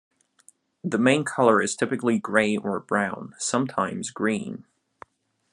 The main colour is typically grey or brown, sometimes green.